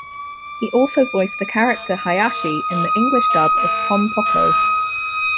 He also voiced the character Hayashi in the English dub of "Pom Poko".